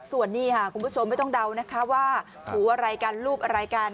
ส่วนนี้คุณผู้ชมไม่ต้องเดาว่าหรือว่ารายการรูปรายการ